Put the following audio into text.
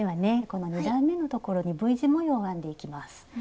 この２段めのところにＶ字模様を編んでいきます。